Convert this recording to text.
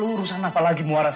lalu urusan apa lagi muara